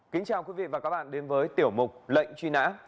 kính chào quý vị và các bạn đến với tiểu mục lệnh truy nã